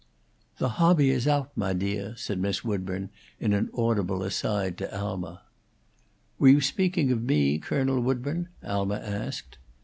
"The hobby is oat, mah deah," said Miss Woodburn, in an audible aside to Alma. "Were you speaking of me, Colonel Woodburn?" Alma asked.